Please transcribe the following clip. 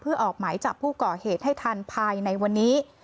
เพื่อออกไหมจากผู้ก่อเหตุให้ทันภายในวันนี้